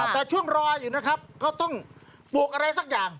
แต่ช่วงรออยู่นะครับก็ต้องปลูกอะไรสักอย่าง